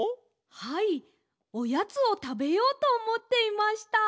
はいおやつをたべようとおもっていました。